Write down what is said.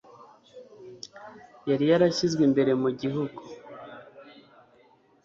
yari yarashyizwe imbere mu gihugu